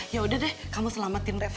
ya udah deh kamu selamatin treva